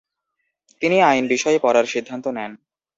তিনি আইন বিষয়ে পড়ার সিদ্ধান্ত নেন।